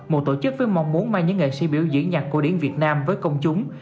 một tổ chức với mong muốn mang những nghệ sĩ biểu diễn nhạc cổ điển việt nam với công chúng